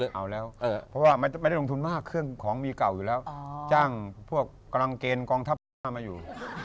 เอาแล้วเพราะว่าไม่ได้ลงทุนมากเครื่องของมีเก่าอยู่แล้วจ้างพวกกำลังเกณฑ์กองทัพพม่ามาอยู่